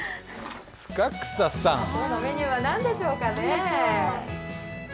今日のメニューは何でしょうかね？